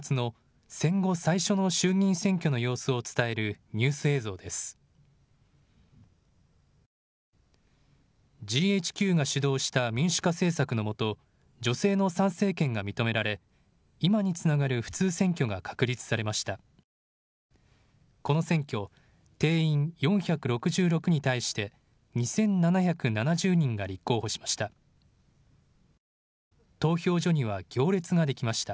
この選挙、定員４６６に対して２７７０人が立候補しました。